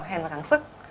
hèn ra gắn sức